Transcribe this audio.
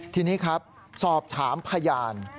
ทีนี้ครับสอบถามพยาน